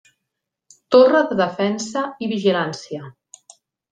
Torre de defensa i vigilància.